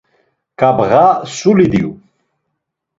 Ǩabğa suli diyu.